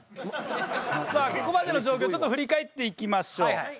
さあここまでの状況ちょっと振り返っていきましょう。